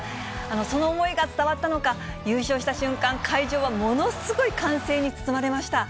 その思いが伝わったのか、優勝した瞬間、会場はものすごい歓声に包まれました。